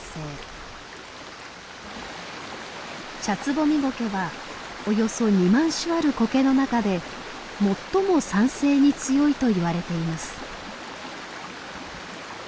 チャツボミゴケはおよそ２万種あるコケの中で最も酸性に強いといわれています。